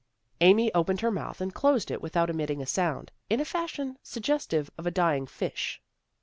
Amy opened her mouth and closed it without emitting a sound, in a fashion suggestive of a dying fish.